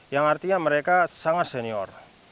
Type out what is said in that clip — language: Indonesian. yang artinya mereka sangat senior